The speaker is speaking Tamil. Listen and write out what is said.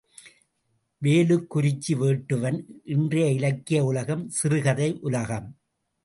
வேலுக்குரிச்சி வேட்டுவன் இன்றைய இலக்கிய உலகம் சிறுகதை உலகம்.